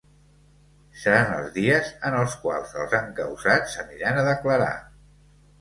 Seran els dies en els quals els encausats aniran a declarar.